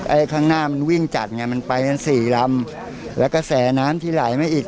ไอ้ข้างหน้ามันวิ่งจัดไงมันไปกันสี่ลำแล้วก็แสน้ำที่ไหลมาอีก